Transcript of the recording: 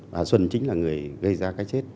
bà xuân chính là người gây ra cái chết